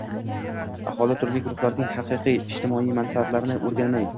aholi turli guruhlarining haqiqiy ijtimoiy manfaatlarini o‘rganmay